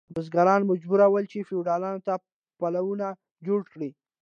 بزګران مجبور ول چې فیوډالانو ته پلونه جوړ کړي.